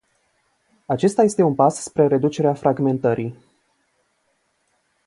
Acesta este un pas spre reducerea fragmentării.